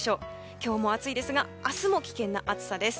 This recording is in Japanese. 今日も暑いですが明日も危険な暑さです。